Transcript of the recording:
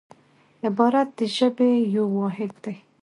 عبارت د ژبي یو واحد دئ.